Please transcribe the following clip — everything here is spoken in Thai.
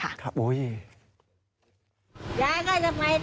ยายก็จะไปตลาดเดินกลับจะกลับบ้าน